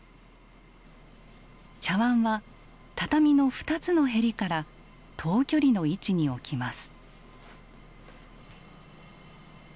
茶わんは畳の２つの縁から等距離の位置に置きます。